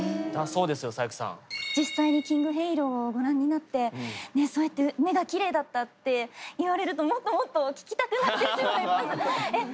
こう実際にキングヘイローをご覧になってねっそうやって目がきれいだったって言われるともっともっと聞きたくなってしまいます。